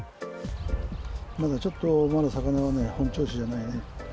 まだちょっと、まだ魚はね、本調子じゃないね。